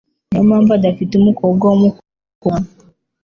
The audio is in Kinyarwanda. Niyo mpamvu adafite umukobwa wumukobwa.